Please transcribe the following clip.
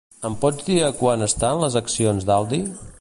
Em pots dir a quant estan les accions d'Aldi?